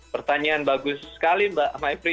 pertanyaan bagus sekali mbak maifri